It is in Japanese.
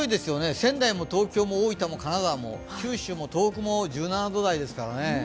仙台も大分も金沢も九州も東北も１７度台ですからね。